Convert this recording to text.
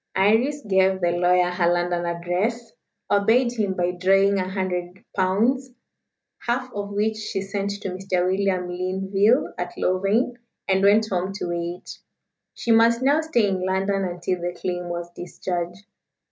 Iris gave the lawyer her London address, obeyed him by drawing a hundred pounds, half of which she sent to Mr. William Linville, at Louvain, and went home to wait. She must now stay in London until the claim was discharged.